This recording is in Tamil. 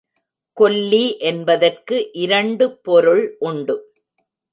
கொல்லி என்பதற்கு இரண்டு பொருள் உண்டு.